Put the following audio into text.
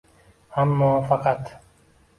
Ammo faqat